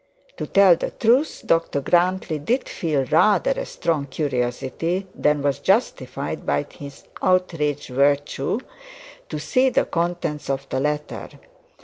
To tell the truth, Dr Grantly did feel rather a stronger curiosity than was justified by his outraged virtue, to see the contents of the letter.